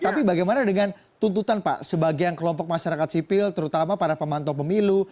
tapi bagaimana dengan tuntutan pak sebagian kelompok masyarakat sipil terutama para pemantau pemilu